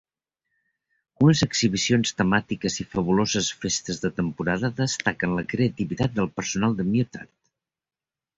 Unes exhibicions temàtiques i fabuloses festes de temporada destaquen la creativitat del personal de Muttart.